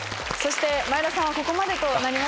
前田さんはここまでとなります